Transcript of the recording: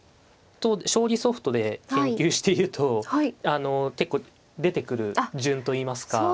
将棋ソフトで研究していると結構出てくる順といいますか。